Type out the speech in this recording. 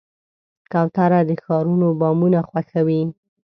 کوتره د ښارونو بامونه خوښوي.